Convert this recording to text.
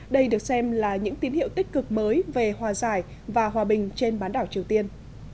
đây được xem là những tín hiệu tích cực mới về hòa giải và hòa bình trên bán đảo triều tiên